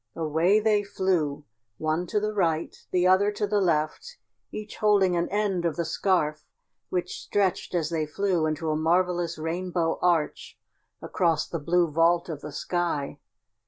Away they flew one to the right, the other to the left, each holding an end of the scarf which stretched as they flew into a marvelous rainbow arch across the blue vault of the sky.